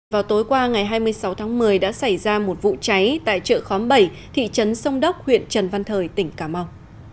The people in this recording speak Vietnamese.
vào tối qua ngày hai mươi sáu tháng một mươi đã xảy ra một vụ cháy tại chợ khóm bảy thị trấn sông đốc huyện trần văn thời tỉnh cà mau